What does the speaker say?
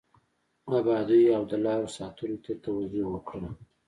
ابادیو او د لارو ساتلو ته توجه وکړه.